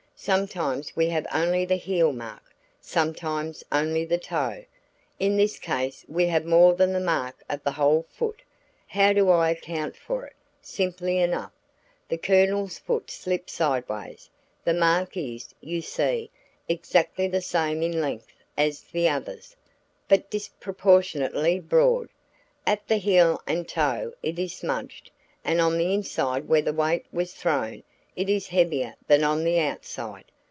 Sometimes we have only the heel mark: sometimes only the toe. In this case we have more than the mark of the whole foot. How do I account for it? Simply enough. The Colonel's foot slipped sideways. The mark is, you see, exactly the same in length as the others, but disproportionately broad. At the heel and toe it is smudged, and on the inside where the weight was thrown, it is heavier than on the outside.